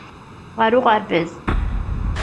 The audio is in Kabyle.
Ɣer uɣerbaz.